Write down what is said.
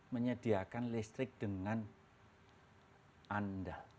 menyediakan listrik dengan andal